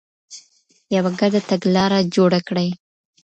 يوه ګډه تګلاره جوړه کړئ.